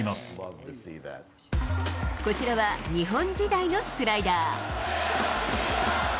こちらは、日本時代のスライダー。